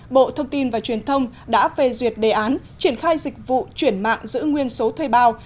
bộ thông tin và truyền thông đã phê duyệt đề án triển khai dịch vụ chuyển mạng giữ nguyên số thuê bao